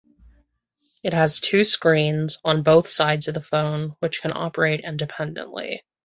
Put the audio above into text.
It has two screens (on both sides of the phone) which can operate independently.